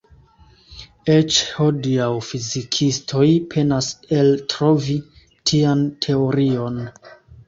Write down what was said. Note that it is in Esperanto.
Eĉ hodiaŭ fizikistoj penas eltrovi tian teorion.